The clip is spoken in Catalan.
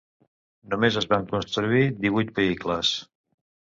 Només es van construir divuit vehicles.